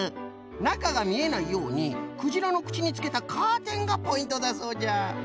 なかがみえないようにくじらのくちにつけたカーテンがポイントだそうじゃ。